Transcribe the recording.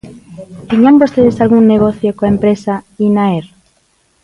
¿Tiñan vostedes algún negocio coa empresa Inaer?